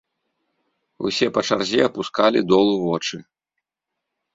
Усе па чарзе апускалі долу вочы.